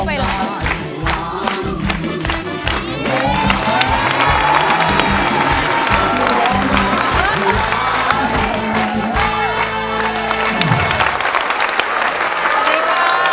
มาละครับ